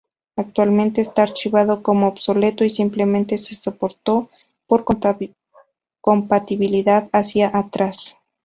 Actualmente está archivado como obsoleto y simplemente se soportó por compatibilidad hacia atrás.